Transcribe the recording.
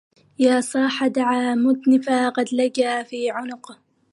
يا صاح دع مدنفا قد لج في عنقه